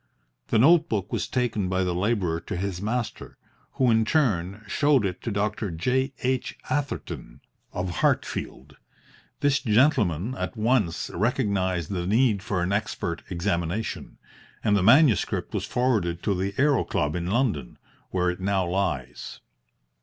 The notebook was taken by the labourer to his master, who in turn showed it to Dr. J. H. Atherton, of Hartfield. This gentleman at once recognised the need for an expert examination, and the manuscript was forwarded to the Aero Club in London, where it now lies.